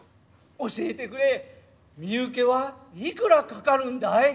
教えてくれ身請けはいくらかかるんだい？